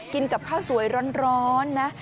กินกับข้าวสวยร้อนนะ